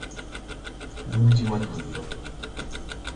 L'ultimo addio